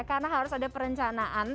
karena harus ada perencanaan